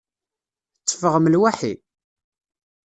Tetteffaɣem lwaḥi?